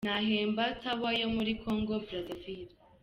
Nahemba Tower, yo muri Congo Brazzaville.